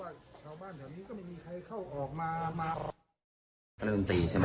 เล่นดนตรีใช่ไหม